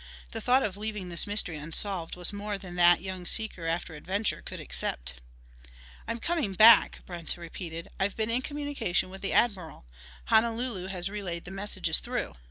The thought of leaving this mystery unsolved was more than that young seeker after adventure could accept. "I'm coming back," Brent repeated. "I've been in communication with the Admiral Honolulu has relayed the messages through.